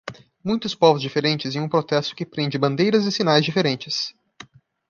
Muitos povos diferentes em um protesto que prende bandeiras e sinais diferentes.